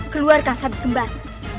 keluarkan sabit gembana